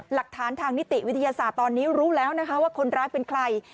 หลักฐานทางนิติวิทยาศาสตร์ตอนนี้รู้แล้วนะคะว่าคนร้ายเป็นใคร